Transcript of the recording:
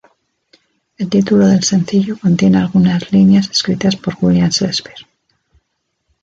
El título del sencillo contiene algunas líneas escritas por William Shakespeare.